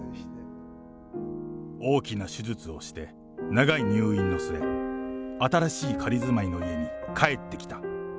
大きな手術をして、長い入院の末、新しい仮住まいの家に帰ってきた。